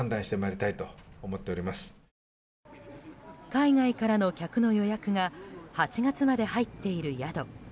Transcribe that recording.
海外からの客の予約が８月まで入っている宿。